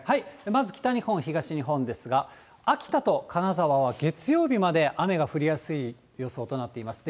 まず、北日本、東日本ですが、秋田と金沢は月曜日まで雨が降りやすい予想となっています。